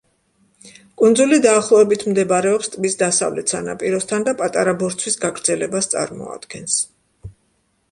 კუნძული დაახლოებით მდებარეობს ტბის დასავლეთ სანაპიროსთან და პატარა ბორცვის გაგრძელებას წარმოადგენს.